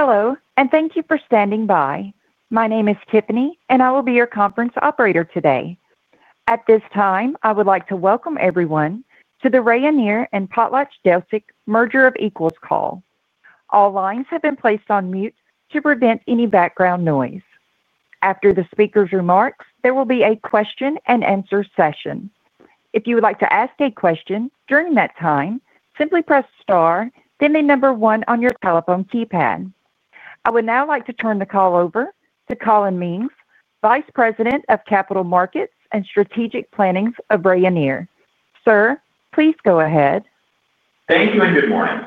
Hello and thank you for standing by. My name is Tiffany and I will be your conference operator today. At this time I would like to welcome everyone to the Rayonier and PotlatchDeltic merger of equals call. All lines have been placed on mute to prevent any background noise. After the speaker's remarks there will be a question and answer session. If you would like to ask a question during that time, simply press Star then the number one on your telephone keypad. I would now like to turn the call over to Colin Mings, Vice President of Capital Markets and Strategic Planning of Rayonier. Sir, please go ahead. Thank you, and good morning.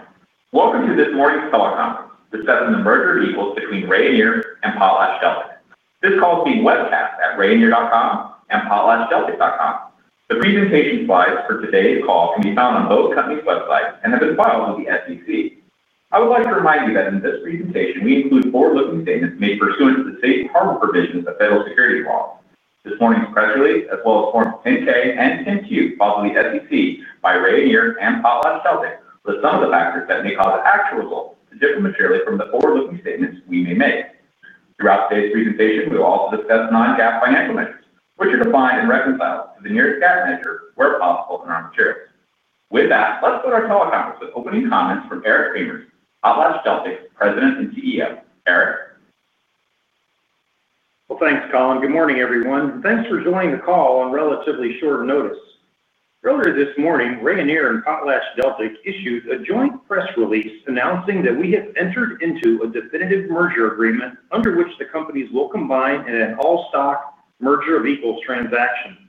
Welcome to this morning's teleconference discussing the merger of equals between Rayonier and PotlatchDeltic. This call is being webcast at rayonier.com and potlatchdeltic.com. The presentation slides for today's call can be found on both companies' websites. Have been filed with the SEC. I would like to remind you that in this presentation, we include forward-looking statements made pursuant to the safe harbor. Provisions of federal securities laws. This morning's press release as well. Forms 10-K and 10-Q followed by the. SEC by Rayonier and PotlatchDeltic. List some of the factors that may cause actual results to differ materially from the forward-looking statements we may make throughout today's presentation. We will also discuss non-GAAP financial. Measures which are defined and reconciled to the nearest GAAP measure where possible in our materials. With that, let's put our teleconference with opening comments from Eric Cremers, PotlatchDeltic's President and CEO. Eric. Thank you, Colin. Good morning everyone. Thanks for joining the call on relatively short notice. Earlier this morning, Rayonier and PotlatchDeltic issued a joint press release announcing that we have entered into a definitive merger agreement under which the companies will combine in an all-stock merger of equals transaction.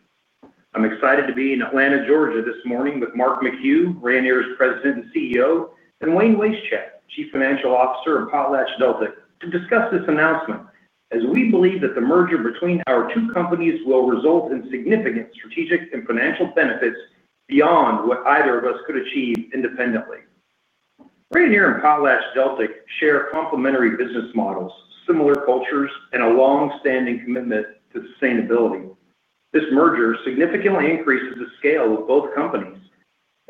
I'm excited to be in Atlanta, Georgia this morning with Mark McHugh, Rayonier's President and CEO, and Wayne Wasechek, Chief Financial Officer of PotlatchDeltic, to discuss this announcement as we believe that the merger between our two companies will result in significant strategic and financial benefits beyond what either of us could achieve independently. Rayonier and PotlatchDeltic share complementary business models, similar cultures, and a long-standing commitment to sustainability. This merger significantly increases the scale of both companies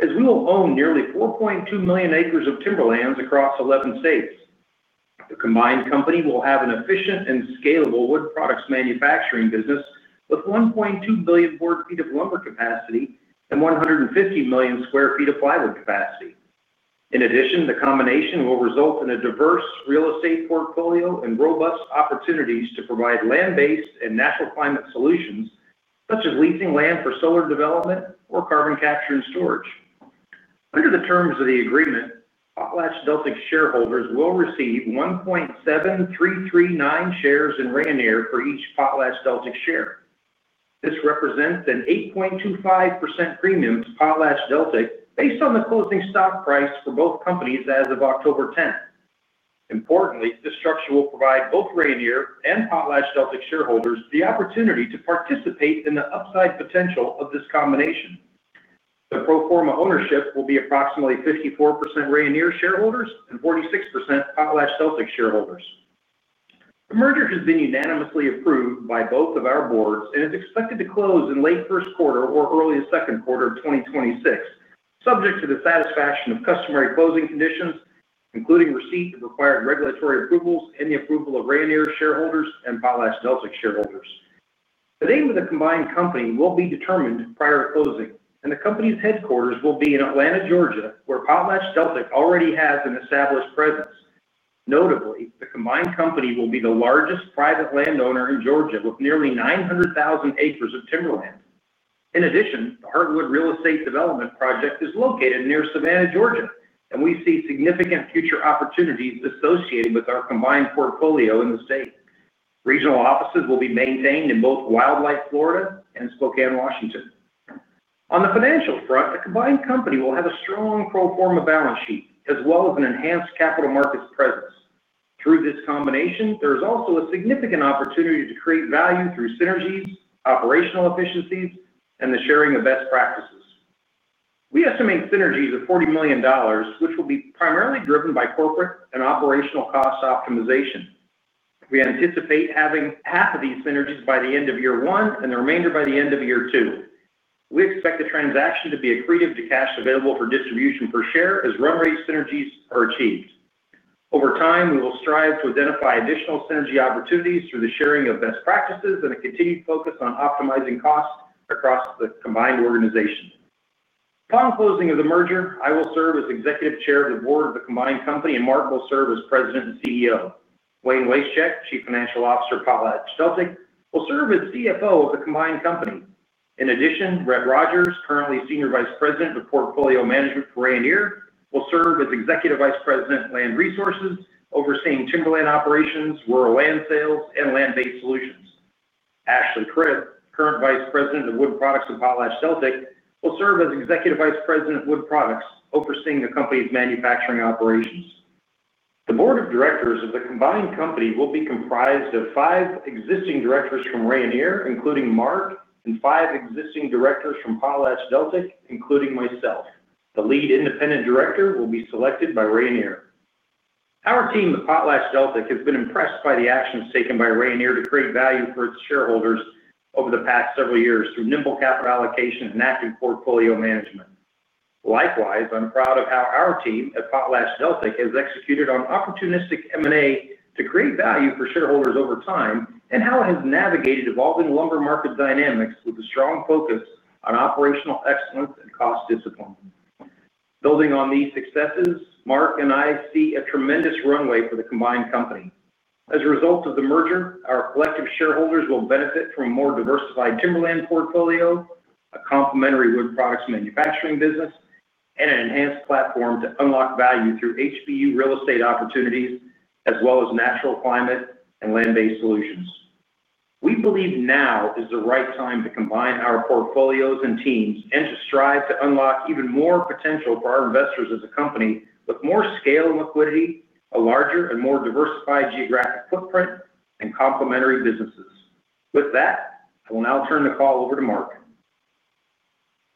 as we will own nearly 4.2 million acres of timberlands across 11 states. The combined company will have an efficient and scalable wood products manufacturing business with. 1.2 billion board feet of lumber capacity. are 150 million square feet of plywood capacity. In addition, the combination will result in a diversified real estate portfolio and robust opportunities to provide land-based and natural climate solutions such as leasing land for solar development or carbon capture and storage. Under the terms of the agreement, PotlatchDeltic shareholders will receive 1.7339 shares in Rayonier for each PotlatchDeltic share. This represents an 8.25% premium to PotlatchDeltic based on the closing stock price for both companies as of October 10. Importantly, this structure will provide both Rayonier and PotlatchDeltic shareholders the opportunity to participate in the upside potential of this combination. The pro forma ownership will be approximately 54% Rayonier shareholders and 46% PotlatchDeltic shareholders. The merger has been unanimously approved by. Both of our boards and is expected to close in late first quarter or early second quarter of 2026, subject to the satisfaction of customary closing conditions, including receipt of required regulatory approvals and the approval of Rayonier shareholders and PotlatchDeltic shareholders. The name of the combined company will. Be determined prior to closing. Company's headquarters will be in Atlanta, Georgia, where PotlatchDeltic already has an established presence. Notably, the combined company will be the. Largest private landowner in Georgia with nearly 900,000 acres of timberland. In addition, the Heartwood real estate development project is located near Savannah, Georgia, and we see significant future opportunities associated with our combined portfolio in the state. Regional offices will be maintained in both Wildlight, Florida, and Spokane, Washington. On the financial front, a combined company will have a strong pro forma balance sheet as well as an enhanced capital markets presence. Through this combination, there is also a significant opportunity to create value through synergies, operational efficiencies, and the sharing of best practices. We estimate synergies of $40 million, which will be primarily driven by corporate and operational cost optimization. We anticipate having half of these synergies. By the end of year one and the remainder by the end of year two. We expect the transaction to be accretive to cash available for distribution per share as run rate synergies are achieved over time. We will strive to identify additional synergy opportunities through the sharing of best practices and a continued focus on optimizing costs across the combined organization. Upon closing of the merger, I will serve as Executive Chair of the Board of the combined company and Mark will serve as President and CEO. Wayne Wasechek, Chief Financial Officer of PotlatchDeltic, will serve as CFO of the combined company. In addition, Brett Rogers, currently Senior Vice President of Portfolio Management for Rayonier, will serve as Executive Vice President, Land Resources, overseeing timberland operations, rural land sales, and land based solutions. Ashley Prith, current Vice President of Wood Products at PotlatchDeltic, will serve as Executive Vice President of Wood Products overseeing. The company's manufacturing operations. The Board of Directors of the combined company will be comprised of five existing directors from Rayonier, including Mark, and five existing directors from PotlatchDeltic, including myself. The Lead Independent Director will be selected by Rayonier. Our team at PotlatchDeltic has been impressed by the actions taken by Rayonier to create value for its shareholders over the past several years through nimble capital allocation and active portfolio management. Likewise, I'm proud of how our team at PotlatchDeltic has executed on opportunistic. M&A to create value for. Shareholders over time and how it has navigated evolving lumber market dynamics with a strong focus on operational excellence and cost discipline. Building on these successes, Mark and I see a tremendous runway for the combined company. As a result of the merger, our collective shareholders will benefit from a more diversified timberland portfolio, a complementary wood products manufacturing business, and an enhanced platform to unlock value through HBU real estate opportunities as well as natural climate and land-based solutions. We believe now is the right time. To combine our portfolios and teams and to strive to unlock even more potential for our investors as a company with more scale and liquidity, a larger and more diversified geographic footprint, and complementary businesses. With that, I will now turn the call over to Mark.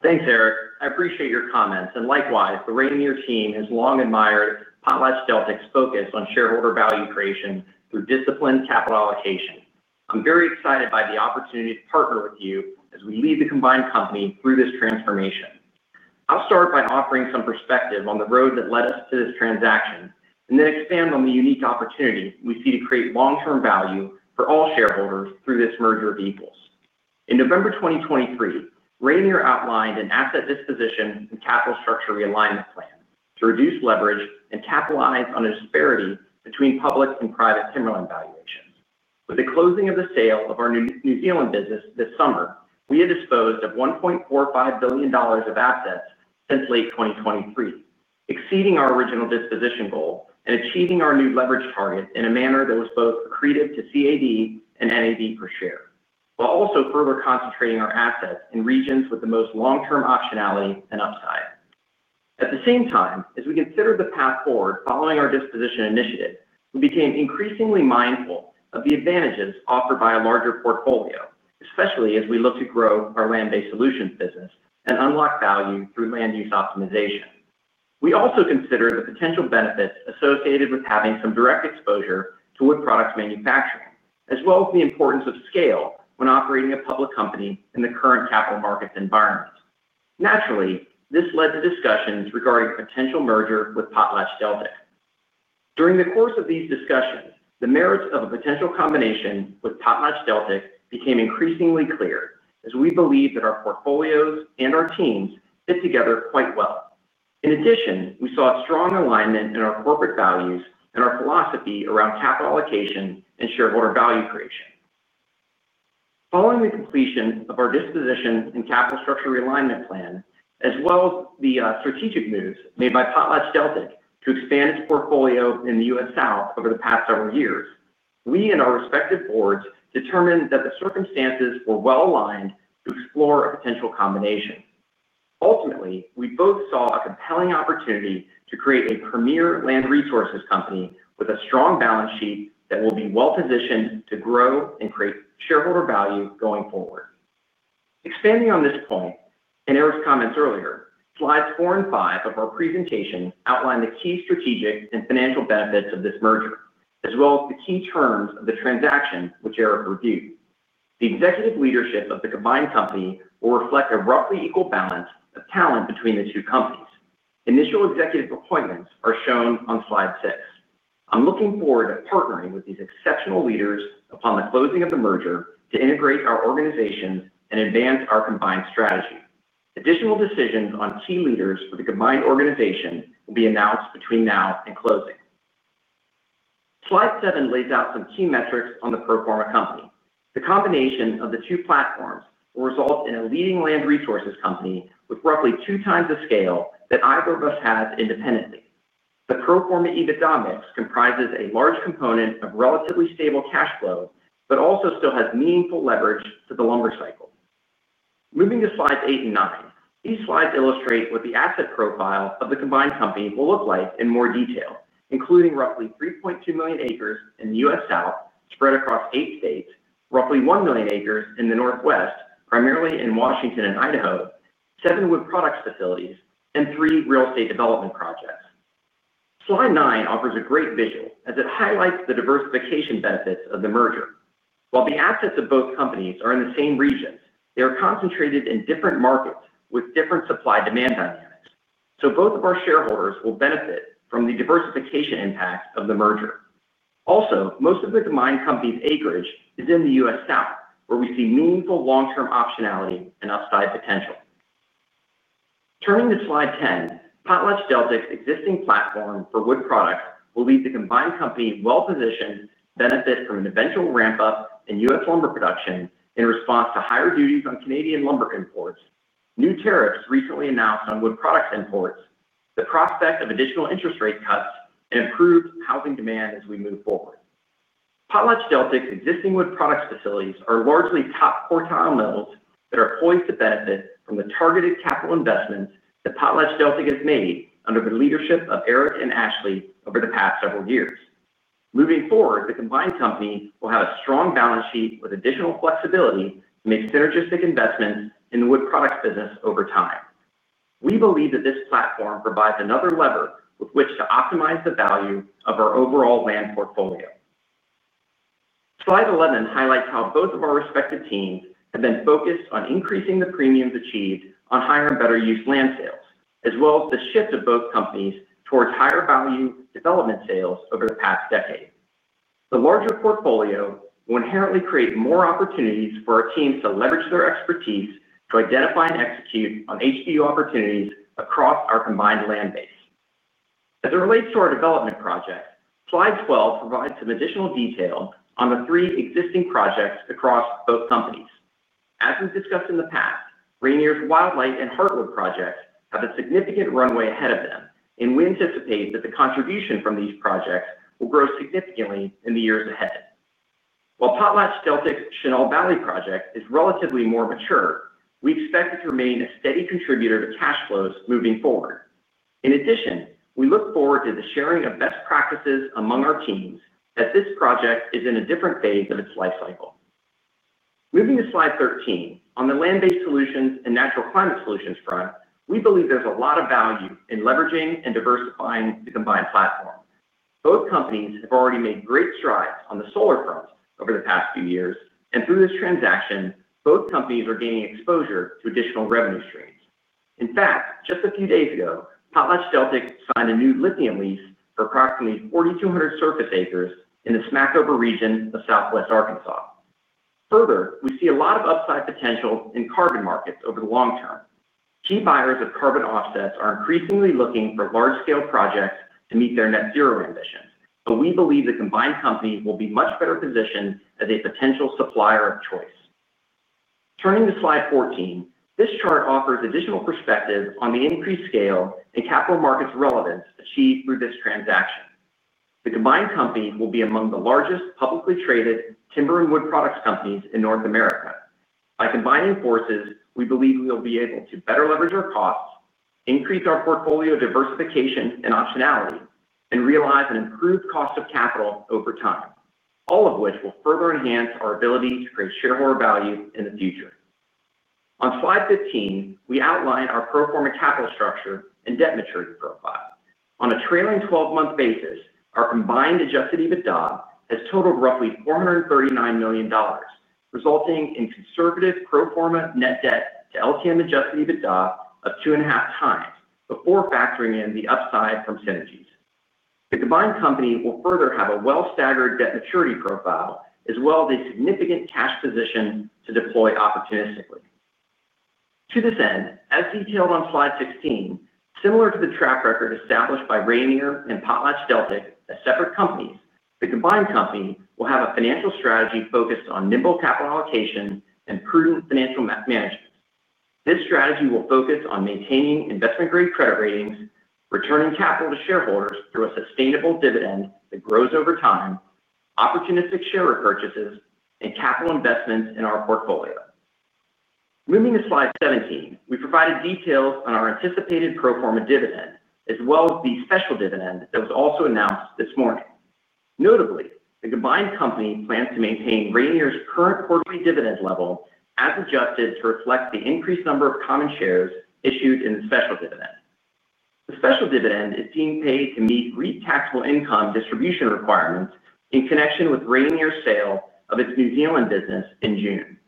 Thanks, Eric, I appreciate your comments, and likewise the Rayonier team has long admired PotlatchDeltic's focus on shareholder value creation through disciplined capital allocation. I'm very excited by the opportunity to partner with you as we lead the combined company through this transformation. I'll start by offering some perspective. The road that led us to this transaction and then expand on the unique opportunity we see to create long-term value creation for all shareholders through this merger of equals. In November 2023, Rayonier outlined an asset disposition and capital structure realignment plan to reduce leverage and capitalize on a disparity between public and private timberland valuations. With the closing of the sale of our New Zealand business this summer, we had disposed of $1.45 billion of assets since late 2023, exceeding our original disposition goal and achieving our new leverage targets in a manner that was both accretive to CAD and NAV per share while also further concentrating our assets in regions with the most long-term optionality and upside. At the same time as we considered the path forward following our disposition initiative, we became increasingly mindful of the advantages offered by a larger portfolio, especially as we look to grow our land-based solutions business and unlock value through land use optimization. We also consider the potential benefits associated with having some direct exposure to wood products manufacturing as well as the importance of scale when operating a public company in the current capital markets environment. Naturally, this led to discussions regarding potential merger with PotlatchDeltic. During the course of these discussions, the merits of a potential combination with PotlatchDeltic became increasingly clear as we believe that our portfolios and our teams fit together quite well. In addition, we saw a strong alignment in our corporate values and our philosophy around capital allocation and shareholder value creation. Following the completion of our disposition and capital structure realignment plan as well as the strategic moves made by PotlatchDeltic to expand its portfolio in the U.S. South over the past several years, we and our respective boards determined that the circumstances were well aligned to explore a potential combination. Ultimately, we both saw a compelling opportunity to create a premier land resources company with a strong balance sheet that will be well positioned to grow and create shareholder value going forward. Expanding on this point and Eric's comments, earlier slides 4 and 5 of our presentation outline the key strategic and financial benefits of this merger as well as the key terms of the transaction which Eric reviewed. The executive leadership of the combined company will reflect a roughly equal balance of talent between the two companies. Initial executive appointments are shown on slide 6. I'm looking forward to partnering with these exceptional leaders upon the closing of the merger to integrate our organization and advance our combined strategy. Additional decisions on key leaders for the combined organization will be announced between now and closing. Slide 7 lays out some key metrics on the pro forma company. The combination of the two platforms will result in a leading land resources company with roughly two times the scale that either of us has independently. The pro forma EBITDA mix comprises a large component of relatively stable cash flow, but also still has meaningful leverage to the lumber cycle. Moving to slides 8 and 9, these slides illustrate what the asset profile of the combined company will look like in more detail, including roughly 3.2 million acres in the U.S. South spread across eight states, roughly 1 million acres in the Northwest, primarily in Washington and Idaho, seven wood products facilities, and three real estate development projects. Slide 9 offers a great visual as it highlights the diversification benefits of the merger. While the assets of both companies are in the same regions, they are concentrated in different markets with different supply-demand dynamics, so both of our shareholders will benefit from the diversification impact of the merger. Also, most of the combined company's acreage is in the U.S. South, where we see meaningful long-term optionality and upside potential. Turning to slide 10, PotlatchDeltic's existing platform for wood products will leave the combined company well positioned to benefit. From an eventual ramp up in U.S. Lumber production in response to higher duties. On Canadian lumber imports. New tariffs recently announced on wood products imports, the prospect of additional interest rate cuts, and improved housing demand as we move forward. PotlatchDeltic's existing wood products facilities are largely top quartile mills that are poised to benefit from the targeted capital investments that PotlatchDeltic has made under the leadership of Eric and Ashley over the past several years. Moving forward, the combined company will have a strong balance sheet with additional flexibility to make synergistic investments in the wood products business over time. We believe that this platform provides another lever with which to optimize the value of our overall land portfolio. Slide 11 highlights how both of our respective teams have been focused on increasing the premiums achieved on higher and better use land sales as well as the shift of both companies towards higher value development sales over the past decade. The larger portfolio will inherently create more opportunities for our teams to leverage their expertise to identify and execute on HVU opportunities across our combined land base. As it relates to our development project, Slide 12 provides some additional detail on the three existing projects across both companies. As we've discussed in the past, Rayonier's Wildlife and Heartwood projects have a significant runway ahead of them and we anticipate that the contribution from these projects will grow significantly in the years ahead. While PotlatchDeltic's Chenal Valley project is relatively more mature, we expect it to remain a steady contributor to cash flows moving forward. In addition, we look forward to the sharing of best practices among our teams as this project is in a different phase of its life cycle. Moving to Slide 13 on the land based solutions and natural climate solutions front, we believe there's a lot of value in leveraging and diversifying the combined platform. Both companies have already made great strides on the solar front over the past few years and through this transaction both companies are gaining exposure to additional revenue streams. In fact, just a few days ago PotlatchDeltic signed a new lithium lease for approximately 4,200 surface acres in the Smackover region of southwest Arkansas. Further, we see a lot of upside potential in carbon markets over the long term. Key buyers of carbon offsets are increasingly looking for large scale projects to meet their net zero ambitions, but we believe the Combined Company will be much better positioned as a potential supplier of choice. Turning to slide 14, this chart offers additional perspectives on the increased scale and capital markets relevance achieved through this transaction. The Combined Company will be among the largest publicly traded timber and wood products companies in North America. By combining forces, we believe we will be able to better leverage our costs, increase our portfolio diversification and optionality, and realize an improved cost of capital over time, all of which will further enhance our ability to create shareholder value in the future. On slide 15, we outline our pro forma capital structure and debt maturity profile on a trailing twelve month basis. Our combined adjusted EBITDA has totaled roughly $439 million, resulting in conservative pro forma net debt to LTM adjusted EBITDA of 2.5 times before factoring in the upside from synergies. The Combined Company will further have a well staggered debt maturity profile as well as a significant cash position to deploy opportunistically. To this end, as detailed on slide 16, similar to the track record established by Rayonier and PotlatchDeltic as separate companies, the Combined Company will have a financial strategy focused on nimble capital allocation and prudent financial management. This strategy will focus on maintaining investment-grade credit ratings, returning capital to shareholders through a sustainable dividend that grows over time, opportunistic share repurchases and capital investments in our portfolio. Moving to slide 17, we provided details on our anticipated pro forma dividend as well as the special dividend that was also announced this morning. Notably, the Combined Company plans to maintain Rayonier's current quarterly dividend level as adjusted to reflect the increased number of common shares issued in the special dividend. The special dividend is being paid to meet REIT taxable income distribution requirements in connection with Rayonier's sale of its New Zealand business in June.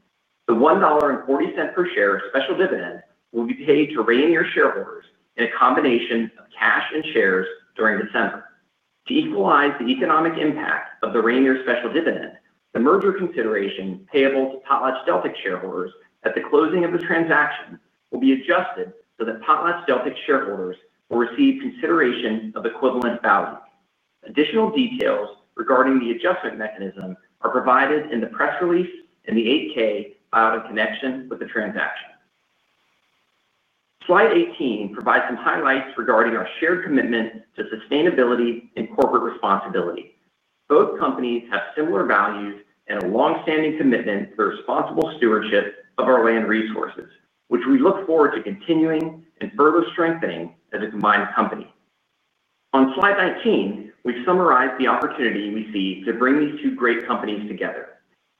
The $1.40 per share special dividend will be paid to Rayonier shareholders in a combination of cash and shares during December to equalize the economic impact of the Rayonier special dividend. The merger consideration payable to PotlatchDeltic shareholders at the closing of the transaction will be adjusted so that PotlatchDeltic shareholders will receive consideration of equivalent value. Additional details regarding the adjustment mechanism are provided in the press release and the 8K filed in connection with the transaction. Slide 18 provides some highlights regarding our shared commitment to sustainability and corporate responsibility. Both companies have similar values and a longstanding commitment to the responsible stewardship of our land resources, which we look forward to continuing and further strengthening as a combined company. On slide 19, we've summarized the opportunity we see to bring these two great companies together.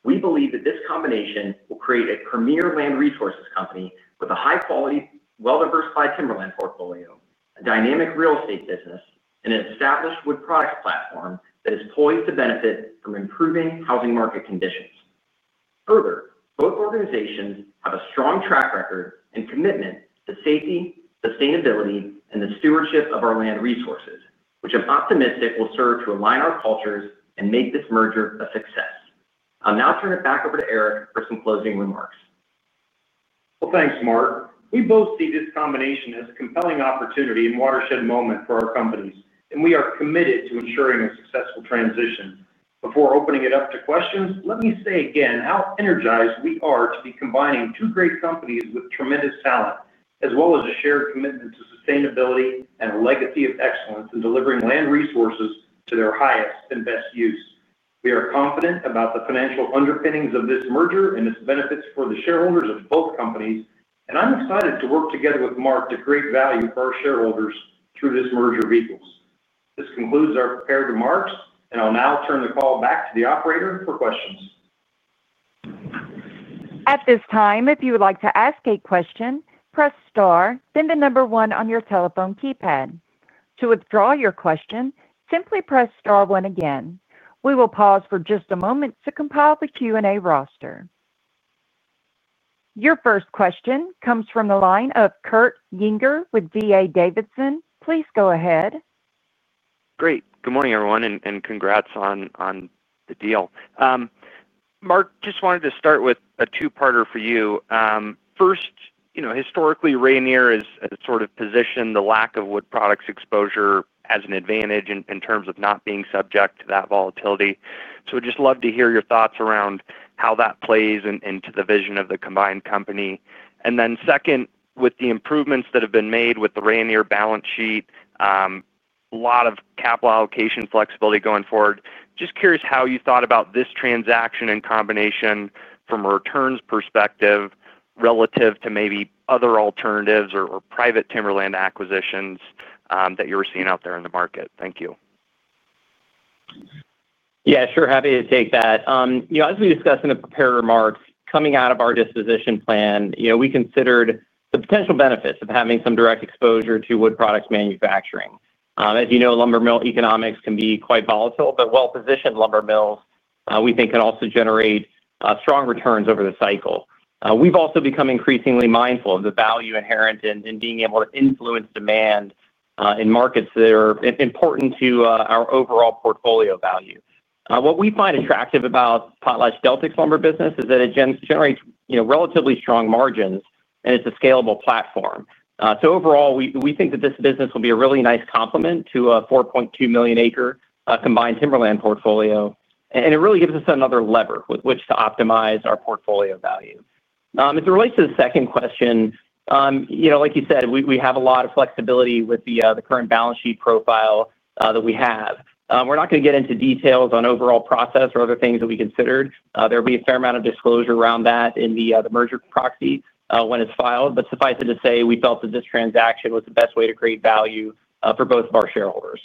We believe that this combination will create a premier land resources company with a high-quality, well-diversified timberland portfolio, a dynamic real estate business, and an established wood products platform that is poised to benefit from improving housing market conditions. Further, both organizations have a strong track record and commitment to safety, sustainability, and the stewardship of our land resources, which I'm optimistic will serve to align our cultures and make this merger a success. I'll now turn it back over to Eric for some closing remarks. Thank you, Mark. We both see this combination as a compelling opportunity and watershed moment for our companies, and we are committed to ensuring a successful transition. Before opening it up to questions, let me say again how energized we are to be combining two great companies with tremendous talent as well as a shared commitment to sustainability and a legacy of excellence in delivering land resources to their highest and best use. We are confident about the financial underpinnings of this merger and its benefits for the shareholders of both companies. I'm excited to work together with Mark to create value for our shareholders through this merger of equals. This concludes our prepared remarks, and I'll now turn the call back to the operator for questions. At this time, if you would like to ask a question, press Star, then the number one on your telephone keypad. To withdraw your question, simply press Star one again. We will pause for just a moment to compile the Q&A roster. Your first question comes from the line of Kurt Yinger with D.A. Davidson. Please go ahead. Great. Good morning everyone, and congrats on the deal. Mark, just wanted to start with a question. Two-parter for you first. You know, historically, Rayonier has sort of positioned the lack of wood products exposure as an advantage in terms of not being subject to that volatility. I just love to hear your. Thoughts around how that plays into the vision of the combined company. With the improvements that have been made with the Rayonier balance sheet, a lot of capital allocation flexibility going forward. Just curious how you thought about this. Transaction in combination from a returns perspective relative to maybe other alternatives or private timberland acquisitions that you were seeing out there in the market. Thank you. Yeah, sure. Happy to take that. As we discussed in the. Prepared remarks coming out of our disposition plan, you know, we considered the potential benefits of having some direct exposure to wood products manufacturing. As you know, lumber mill economics can be quite volatile, but well positioned lumber mills, we think, can also generate strong returns over the cycle. We've also become increasingly mindful of the value inherent in being able to influence demand in markets that are important to our overall portfolio value. What we find attractive about PotlatchDeltic's lumber business is that it generates relatively strong margins, and it's a scalable platform. Overall, we think that this business will be a really nice complement to a 4.2 million acre combined timberland portfolio. It really gives us another lever with which to optimize our portfolio value. As it relates to the second question, you know, like you said, we have a lot of flexibility with the current balance sheet profile that we have. We're not going to get into details on overall process or other things that we considered. There'll be a fair amount of disclosure around that in the merger proxy when it's filed. Suffice it to say, we felt that this transaction was the best way to create value for both of our shareholders.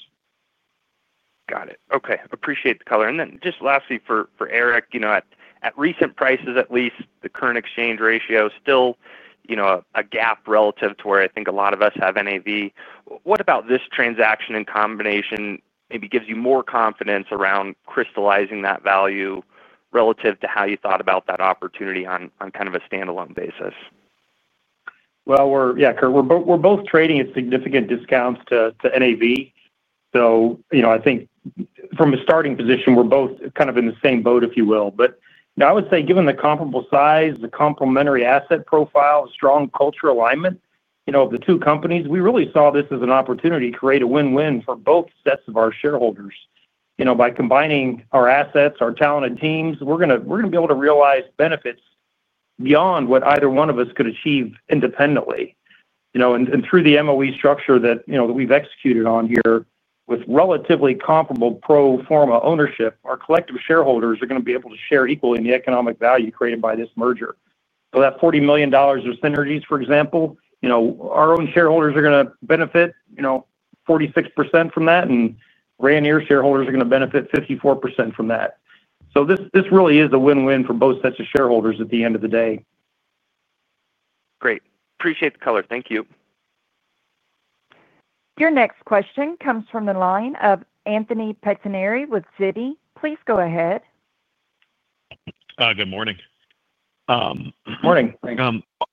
Got it. Okay, appreciate the color. Lastly, for Eric, at recent prices, at least the current exchange ratio still, you know, a gap relative to where I think a lot of us have NAV. What about this transaction in combination maybe gives you more confidence around crystallizing that value relative to how you thought about that opportunity on kind of a standalone basis. Yeah, Kurt, we're both trading at significant discounts to NAV. I think from a starting position, we're both kind of in the same boat, if you will. I would say given the comparable size, the complementary asset profile, strong culture alignment of the two companies, we really saw this as an opportunity to create a win-win for both sets of our shareholders. By combining our assets and our talented teams, we're going to be able to realize benefits beyond what either one of us could achieve independently. Through the MOE structure that we've executed on here, with relatively comparable pro forma ownership, our collective shareholders are going to be able to share equally in the economic value created by this merger. That $40 million of synergies, for example, our own shareholders are going to benefit 46% from that, and Rayonier shareholders are going to benefit 54% from that. This really is a win-win for both sets of shareholders at the end of the day. Great. Appreciate the color. Thank you. Your next question comes from the line of Anthony Pettinari with Citi. Please go ahead. Good morning. Morning.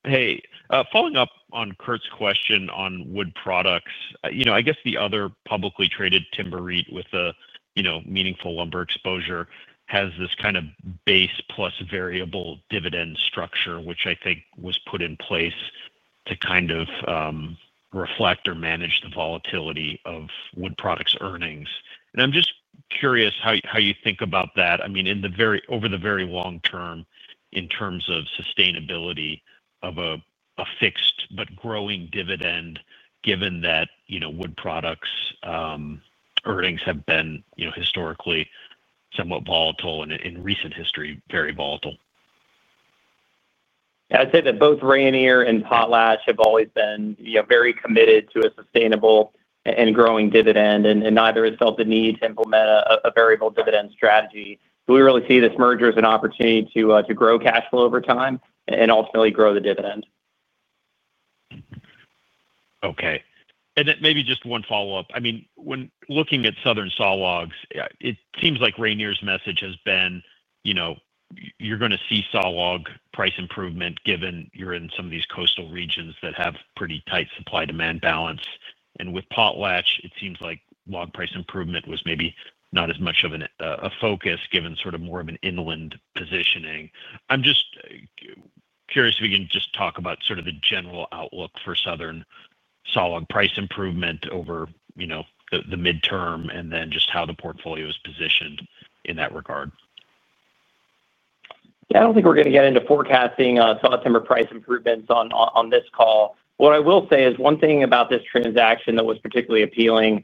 Hey, following up on Kurt's question on wood products, I guess the other publicly traded timber REIT with a meaningful lumber exposure has this kind of BAS variable dividend structure, which I think was put in place to reflect or manage the volatility of wood products earnings. I'm just curious how you think about that. I mean, over the very long term in terms of sustainability of a fixed but growing dividend, given that wood products earnings have been historically somewhat volatile and in recent history very volatile. I'd say that both Rayonier and PotlatchDeltic have always been very committed to a sustainable and growing dividend, and neither has felt the need to implement a variable dividend strategy. Do we really see this merger as an opportunity to grow cash flow over time and ultimately grow the dividend? Okay, and maybe just one follow-up. I mean, when looking at Southern sawlogs, it seems like Rayonier's message has been you're going to see sawlog price improvement given you're in some of these coastal regions that have pretty tight supply-demand balance. With PotlatchDeltic, it seems like log price improvement was maybe not as much of a focus given sort of more of an inland positioning. I'm just curious if you can just talk about sort of the general outlook for Southern sawlog price improvement over, you know, the midterm and then just how the portfolio is positioned in that regard. I don't think we're going to get into forecasting soft timber price improvements on this call. What I will say is one thing about this transaction that was particularly appealing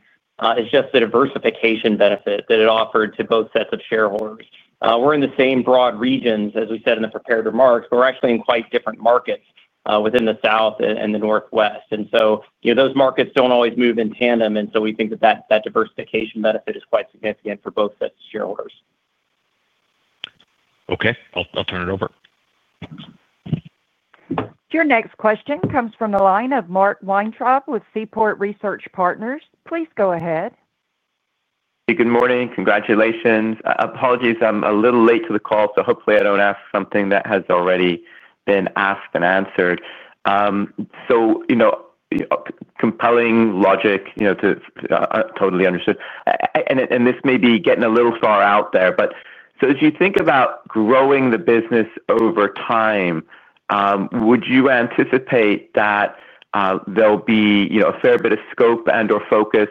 is just the diversification benefit that it offered to both sets of shareholders. We're in the same broad regions, as we said in the prepared remarks, but we're actually in quite different markets within the South and the Northwest. Those markets don't always move in tandem, so we think that diversification benefit. Is quite significant for both sets of shareholders. Okay, I'll turn it over. Your next question comes from the line of Mark Weintraub with Seaport Research Partners. Please go ahead. Good morning. Congratulations. Apologies, I'm a little late to the call, so hopefully I don't ask something that has already been asked and answered. Compelling logic, totally understood. This may be getting a little far out there, but as you think about growing the business over time, would you anticipate that there'll be a fair bit of scope and or focus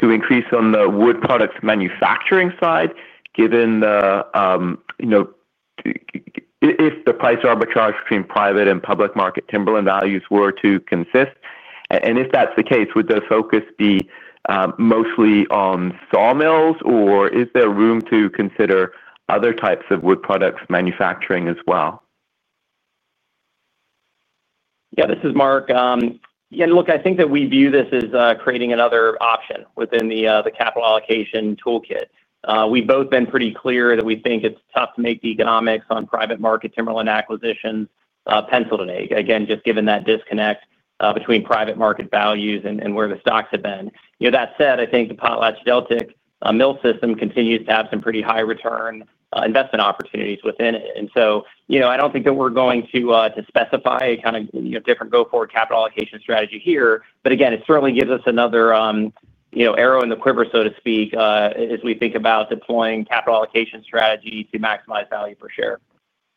to increase on the wood products manufacturing side, given the price arbitrage between private and public market timberland values were to consist? If that's the case, would the focus be mostly on sawmills, or is there room to consider other types of wood products manufacturing as well? Yeah, this is Mark. Look, I think that we view this as creating another option within the capital allocation toolkit. We've both been pretty clear that we think it's tough to make the economics on private market timberland acquisitions penciled in again, just given that disconnect between private market values and where the stocks have been. That said, I think the PotlatchDeltic mill system continues to have some pretty high return investment opportunities within it. I don't think that we're going to specify a different go forward capital allocation strategy here. It certainly gives us another, you know, arrow in the quiver, so to speak, as we think about deploying capital allocation strategy to maximize value per share.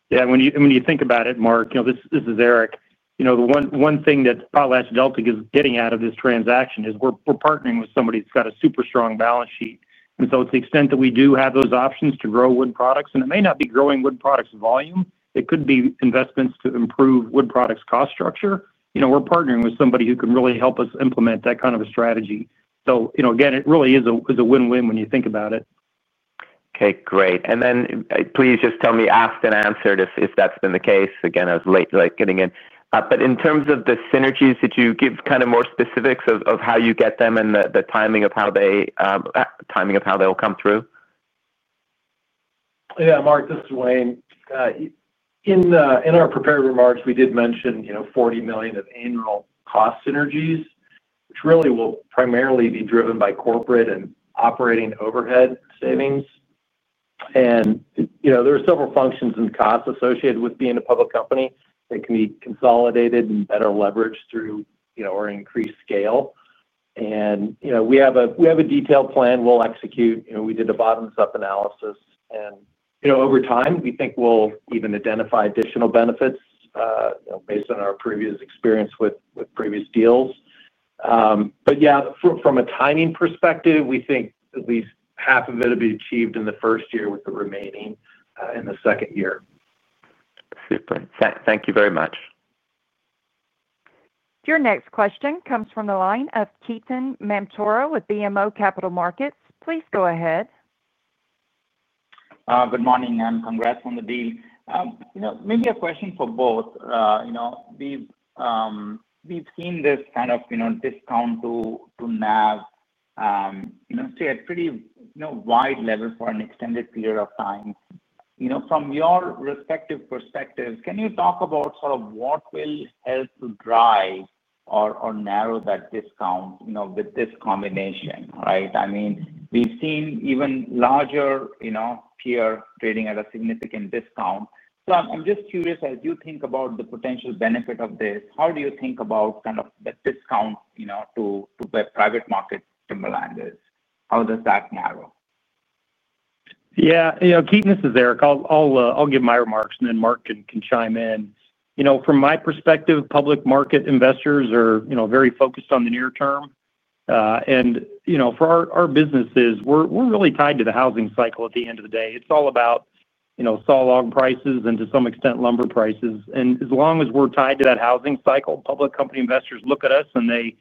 When you think about it, Mark, this is Eric. The one thing that PotlatchDeltic is getting out of this transaction is we're partnering with somebody that's got a super strong balance sheet. It's the extent that we do have those options to grow wood products, and it may not be growing wood products volume, it could be investments to improve wood products cost structure. We're partnering with somebody who can really help us implement that kind of a strategy. It really is a win-win when you think about it. Okay, great. Please just tell me, asked and answered if that's been the case. I was late getting in. In terms of the synergies, can you give kind of more specifics of how you get them and the timing of how they'll come through? Yeah. Mark, this is Wayne. In our prepared remarks, we did mention, you know, $40 million of annual cost synergies, which really will primarily be driven by corporate and operating overhead savings. There are several functions and costs associated with being a public company that can be consolidated and better leveraged through our increased scale. We have a detailed plan we'll execute. We did a bottoms up analysis and, over time, we think we'll even identify additional benefits based on our previous experience with previous deals. From a timing perspective, we think at least half of it will be achieved in the first year with the remaining in the second year. Super. Thank you very much. Your next question comes from the line of Ketan Mamtora with BMO Capital Markets. Please go ahead. Good morning and congrats on the deal. Maybe a question for both. We've seen this kind of discount to NAV at pretty wide level for an extended period of time. From your respective perspective, can you talk about what will help to drive or narrow that discount with this combination? Right. I mean, we've seen even larger peer trading at a significant discount. I'm just curious, as you think about the potential benefit of this, how do you think about the discount to buy private market timberlands, how does that narrow? Yeah, you know, Ketan, this is Eric. I'll give my remarks and then Mark can chime in. From my perspective, public market investors are very focused on the near term. For our businesses, we're really tied to the housing cycle. At the end of the day it's all about sawlog prices and to some extent lumber prices. As long as we're tied to that housing cycle, public company investors look at us and they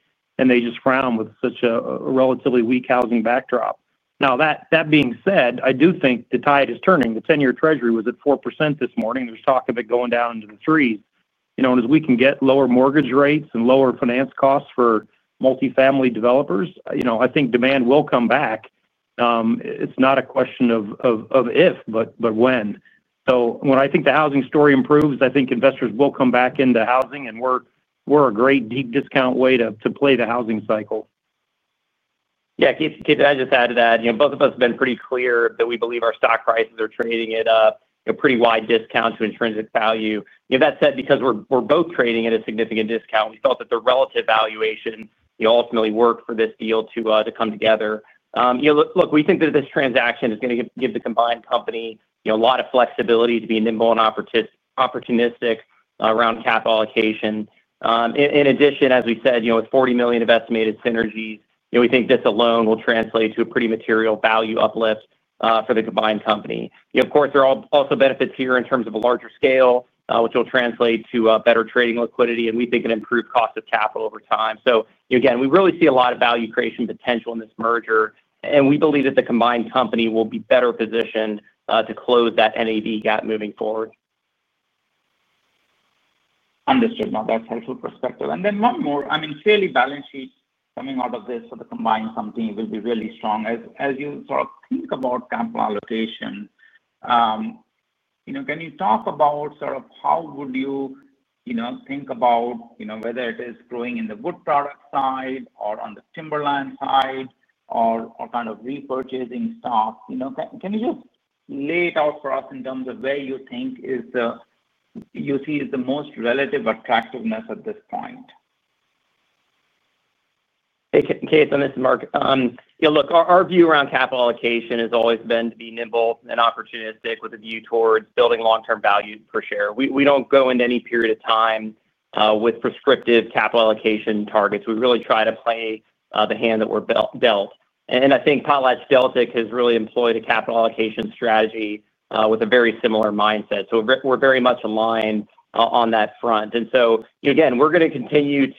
just frown with such a relatively weak housing backdrop. That being said, I do think the tide is turning. The 10-year Treasury was at 4% this morning. There's talk of it going down into the threes, and as we can get lower mortgage rates and lower finance costs for multifamily developers, I think demand will come back. It's not a question of if, but when. When I think the housing story improves, I think investors will come back into housing and we're a great deep discount way to play the housing cycle. Yeah. Keith, I just added that both of us have been pretty clear that we believe our stock prices are trading at a pretty wide discount to intrinsic value. That said, because we're both trading at a significant discount, we felt that the relative valuation ultimately worked for this deal to come together. Look, we think that this transaction is going to give the combined company a lot of flexibility to be nimble and opportunistic around capital allocation. In addition, as we said, with $40 million of estimated synergies, we think this alone will translate to a pretty material value uplift for the combined company. Of course, there are also benefits here in terms of a larger scale, which will translate to better trading liquidity, and we think an improved cost of capital over time. Again, we really see a lot of value creation potential in this merger, and we believe that the combined company will be better positioned to close that NAV gap moving forward. Understood. That's helpful perspective. One more. Clearly, the balance sheet coming out of this for the combined company will be really strong. As you think about capital allocation, can you talk about how you would think about whether it is growing in the wood products side or on the timberland side or repurchasing stock? Can you just lay it out for us in terms of where you think is the most relative attractiveness at this point? Hey Kate, this is Mark. You know, look, our view around capital allocation has always been to be nimble and opportunistic with a view towards building long-term value per share. We don't go into any period of time with prescriptive capital allocation targets. We really try to play the hand that we're dealt. I think PotlatchDeltic has really employed a capital allocation strategy with a very similar mindset, so we're very much aligned on that front. We're going to continue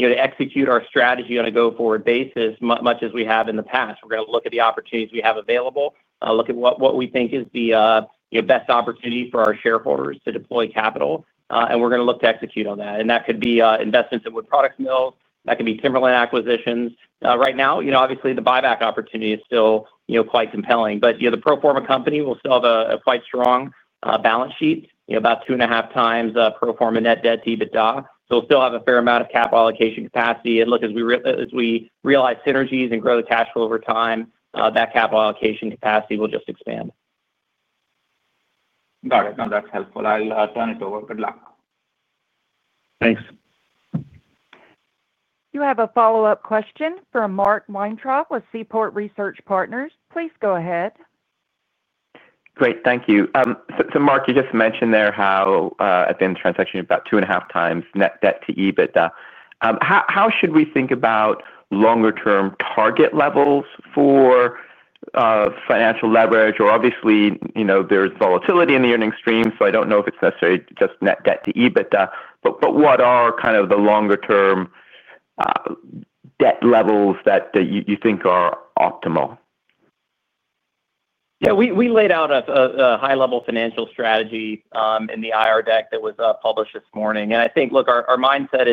to execute our strategy on a go-forward basis much as we have in the past. We're going to look at the opportunities we have available, look at what we think is the best opportunity for our shareholders to deploy capital, and we're going to look to execute on that. That could be investments at wood products mills, that could be timberland acquisitions. Right now, obviously the buyback opportunity is still quite compelling, but the pro forma company will still have a quite strong balance sheet, about 2.5 times pro forma net debt to EBITDA. We'll still have a fair amount of capital allocation capacity. As we realize synergies and grow the cash flow over time, that capital allocation capacity will just expand. Got it. Now that's helpful. I'll turn it over. Good luck. Thanks. You have a follow up question from Mark Weintraub with Seaport Research Partners. Please go ahead. Great, thank you. Mark, you just mentioned there how at the end of the transaction about 2.5 times net debt to EBITDA. How should we think about longer term target levels for financial leverage? Obviously, you know, there's volatility in the earnings stream. I don't know if it's necessarily just net debt to EBITDA, but what are kind of the longer term debt levels that you think are optimal? Yeah, we laid out a high-level financial strategy in the IR deck that was published this morning. I think our mindset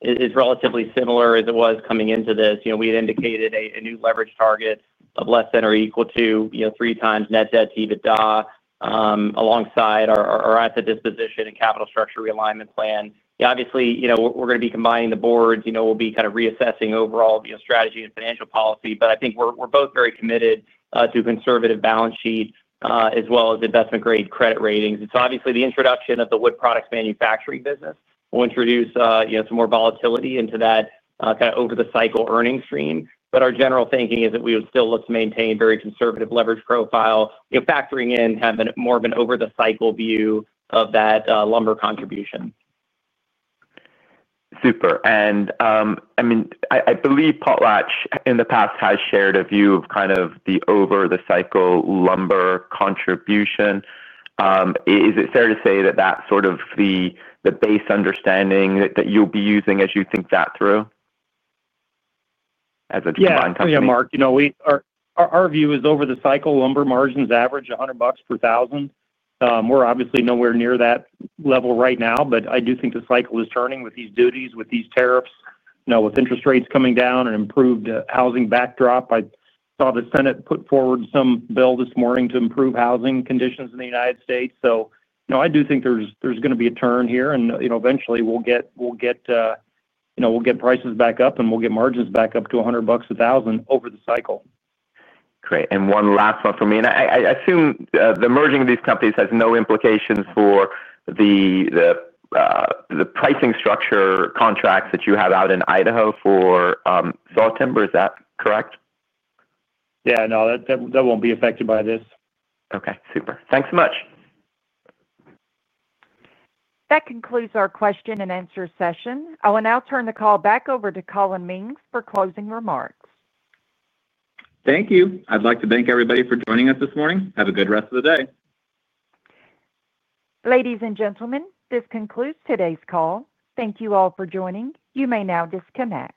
is relatively similar as it was coming into this. We had indicated a new leverage target of less than or equal to 3x net debt to EBITDA alongside our asset disposition and capital structure realignment plan. Obviously, we're going to be combining the boards. We'll be kind of reassessing overall strategy and financial policy. I think we're both very committed to a conservative balance sheet as well as investment-grade credit ratings. The introduction of the wood products manufacturing business will introduce some more volatility into that kind of over-the-cycle earnings stream. Our general thinking is that we would still look to maintain a very conservative leverage profile, factoring in having more of an over-the-cycle view of that lumber contribution. Super. I believe PotlatchDeltic in the past has shared a view of kind of the over-the-cycle lumber contribution. Is it fair to say that that's sort of the base understanding that you'll be using as you think that? Through. Yeah, Mark, you know, we are. Our view is over the cycle lumber margins average $100 per thousand. We're obviously nowhere near that level right now. I do think the cycle is turning with these duties, with these tariffs, now with interest rates coming down and improved housing backdrop. I saw the Senate put forward some bill this morning to improve housing conditions in the U.S. I do think there's going to be a turn here and eventually we'll get prices back up and we'll get margins back up to $100 per thousand over the cycle. Great. One last one for me. I assume the merging of these companies has no implications for the pricing structure contracts that you have out in Idaho for saw timber, is that correct? No, that won't be affected by this. Okay, super. Thanks so much. That concludes our question and answer session. I will now turn the call back over to Colin Mings for closing remarks. Thank you. I'd like to thank everybody for joining us this morning. Have a good rest of the day. Ladies and gentlemen, this concludes today's call. Thank you all for joining. You may now disconnect.